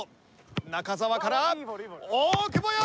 中澤から大久保！